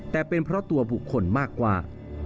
แต่เป็นเพราะตัวบุคคลมากกว่า